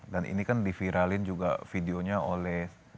dan ini kan diviralin juga videonya oleh